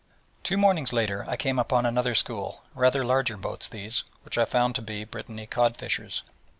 Two mornings later I came upon another school, rather larger boats these, which I found to be Brittany cod fishers.